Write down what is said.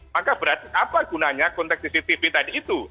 maka apa gunanya konteks cctv tadi itu